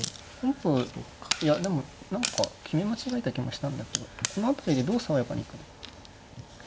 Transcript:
本譜はいやでも何か決め間違えた気もしたんだけどこの辺りでどう爽やかに行くのか。